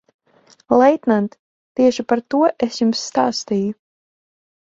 Leitnant, tieši par to es jums stāstīju.